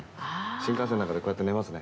「新幹線の中でこうやって寝ますね」